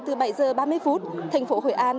từ bảy giờ ba mươi phút thành phố hội an